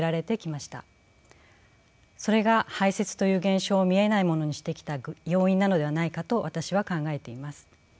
それが排泄という現象を見えないものにしてきた要因なのではないかと私は考えています。